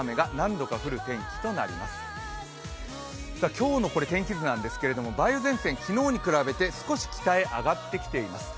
今日の天気図なんですけれども梅雨前線、昨日に比べて少し北へ上がってきています。